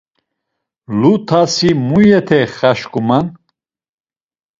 Lu ntasi muyate xaşǩuman?